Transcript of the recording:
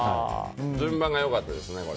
順番が良かったですね。